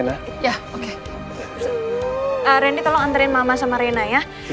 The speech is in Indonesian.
reni tolong antarin mama sama rena ya